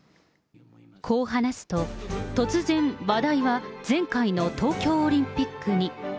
こう話すと、突然、話題は前回の東京オリンピックに。